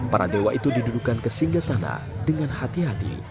para dewa itu didudukan ke singgah sana dengan hati hati